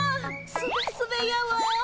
すべすべやわ。